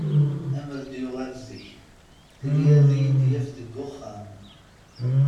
Amer d-yuɣal zik, tili ad iyi-d-yaf deg uxxam.